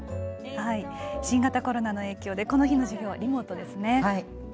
新型コロナの影響でこの日の授業はリモートですね。